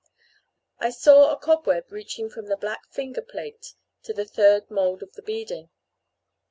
I saw a cobweb reaching from the black finger plate to the third mould of the beading.